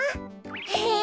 へえ。